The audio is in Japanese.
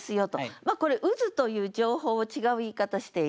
まあこれ渦という情報を違う言い方している。